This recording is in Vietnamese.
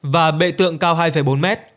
và bệ tượng cao hai bốn m